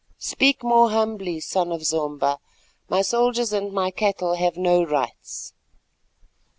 Speak more humbly, son of Zomba; my soldiers and my cattle have no rights."